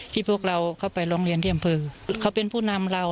พวกเราเข้าไปร้องเรียนที่อำเภอเขาเป็นผู้นำเรา